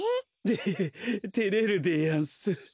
でへへてれるでやんす。